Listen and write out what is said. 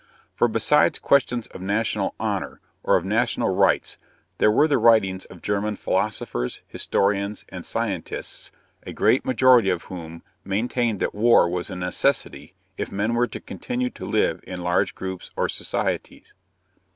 For besides questions of national honor or of national rights there were the writings of German philosophers, historians, and scientists, a great majority of whom maintained that war was a necessity if men were to continue to live in large groups or societies.